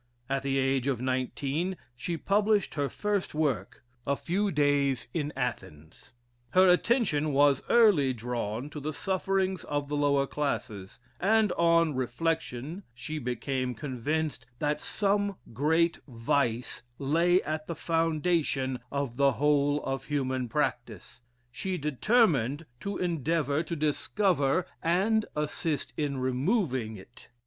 At the age of nineteen, she published her first work, "A Few Days in Athens." Her attention was early drawn to the sufferings of the lower classes, and on reflection she became convinced that some great vice lay at the foundation of the whole of human practice: She determined to endeavor to discover, and assist in removing it.